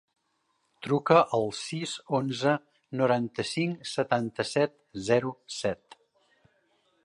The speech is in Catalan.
Truca al sis, onze, noranta-cinc, setanta-set, zero, set.